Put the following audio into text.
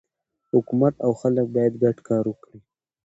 حکومت او خلک باید ګډ کار وکړي.